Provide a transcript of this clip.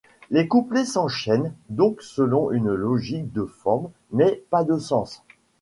Les couplets s'enchaînent donc selon une logique de forme, mais pas de sens.